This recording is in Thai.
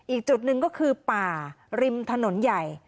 อีกจุดหนึ่งก็คือป่าริมถนนใหญ่